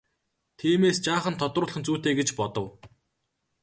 Тиймээс жаахан тодруулах нь зүйтэй гэж бодов.